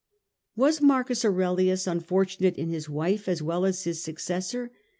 Was M. Aurelius unfortunate in his wife as well as his successor ?